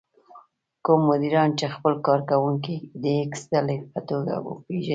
کوم مديران چې خپل کار کوونکي د ايکس ډلې په توګه پېژني.